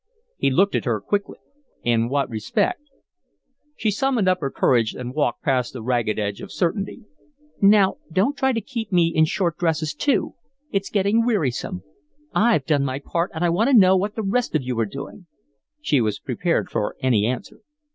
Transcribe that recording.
He looked at her quickly. "In what respect?" She summoned up her courage and walked past the ragged edge of uncertainty. "Now, don't you try to keep me in short dresses, too. It's getting wearisome. I've done my part and I want to know what the rest of you are doing." She was prepared for any answer.